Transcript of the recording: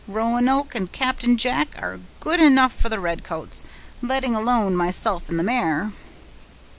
Roanoke and Captain Jack are good enough for the redcoats, letting alone myself and the mare."